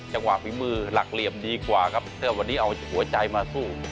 ฝีมือหลักเหลี่ยมดีกว่าครับถ้าวันนี้เอาหัวใจมาสู้